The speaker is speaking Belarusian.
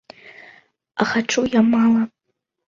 А хачу я мала.